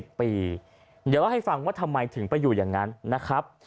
เดี๋ยวเล่าให้ฟังว่าทำไมถึงไปอยู่อย่างนั้นนะครับ